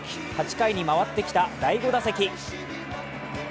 ８回に回ってきた第５打席。